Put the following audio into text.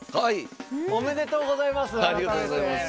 ありがとうございます。